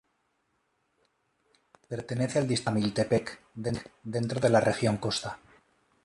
Pertenece al distrito de Jamiltepec, dentro de la Región Costa.